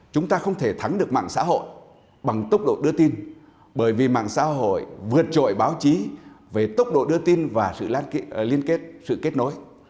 chúng ta không thể thắng được mạng xã hội bằng tốc độ đưa tin bởi vì mạng xã hội vượt trội báo chí về tốc độ đưa tin và sự liên kết sự kết nối